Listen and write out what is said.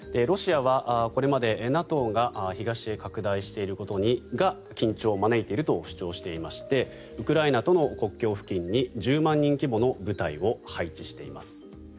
ロシアはこれまで、ＮＡＴＯが東へ拡大していることが緊張を招いていると主張していましてウクライナとの国境付近に１０万人規模の部隊を配置しています。